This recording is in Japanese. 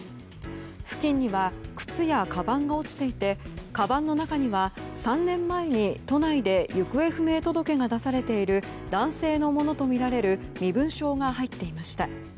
付近には靴や、かばんが落ちていてかばんの中には、３年前に都内で行方不明届が出されている男性のものとみられる身分証が入っていました。